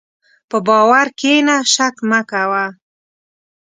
په باور کښېنه، شک مه کوه.